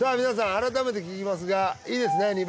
皆さん改めて聞きますがいいですね